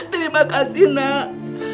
terima kasih nak